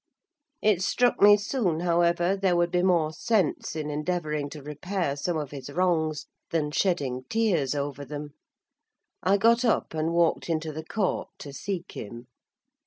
It struck me soon, however, there would be more sense in endeavouring to repair some of his wrongs than shedding tears over them: I got up and walked into the court to seek him.